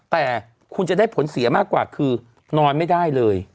แต่คุณจะได้ผลเสียมากกว่าคือนอนไม่ได้เลย